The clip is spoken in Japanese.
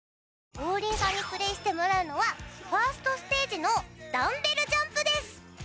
王林さんにプレイしてもらうのはファーストステージのダンベルジャンプです。